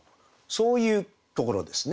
そういうところですね。